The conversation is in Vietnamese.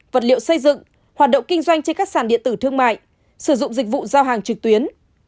vật liệu xây dựng hoạt động kinh doanh trên các sàn điện tử thương mại sử dụng dịch vụ giao hàng trực tuyến